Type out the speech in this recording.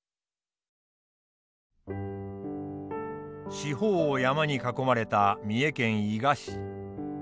四方を山に囲まれた三重県伊賀市。